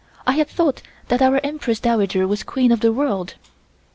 I had thought that our Empress Dowager was Queen of the world."